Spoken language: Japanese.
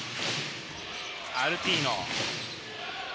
アルティーノ。